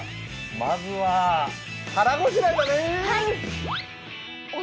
まずははらごしらえだね！